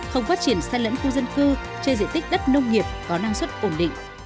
không phát triển sai lẫn khu dân cư chơi diện tích đất nông nghiệp có năng suất ổn định